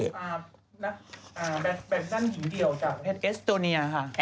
แบบนั้นหนึ่งเดียวจากประเทศแอสตูเนีย